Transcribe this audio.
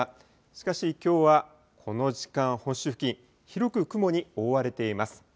しかし、きょうは、この時間、本州付近、広く雲に覆われています。